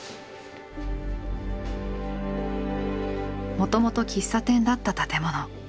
もともと喫茶店だった建物。